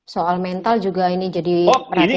soal mental juga ini jadi perhatian